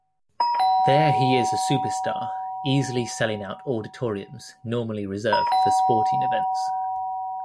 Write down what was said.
There he is a superstar easily selling out auditoriums normally reserved for sporting events.